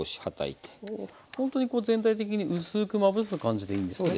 ほんとにこう全体的に薄くまぶす感じでいいんですね。